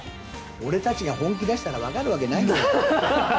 俺たちが本気出したらわかるわけないじゃない。